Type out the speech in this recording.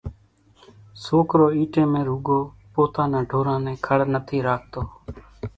سوڪرو اِي ٽيمين روڳو پوتا نان ڍوران نين کڙ نٿي راکتو۔